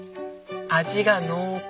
味が濃厚。